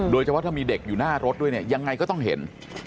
โดยเฉพาะถ้ามีเด็กอยู่หน้ารถด้วยเนี่ยยังไงก็ต้องเห็น